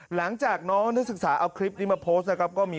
หลังจากน้องนักศึกษาเอาคลิปนี้มาโพสต์นะครับก็มี